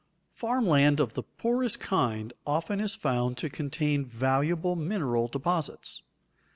_ Farm land of the poorest kind often is found to contain valuable mineral deposits.